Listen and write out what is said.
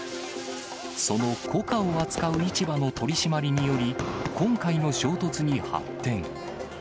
そのコカを扱う市場の取締りにより、今回の衝突に発展。